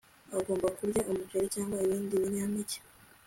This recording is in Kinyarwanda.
agomba kurya umuceri cyangwa ibindi binyampeke